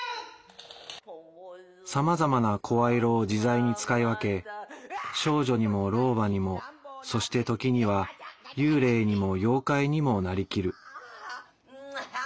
さまざまな声色を自在に使い分け少女にも老婆にもそして時には幽霊にも妖怪にもなりきる。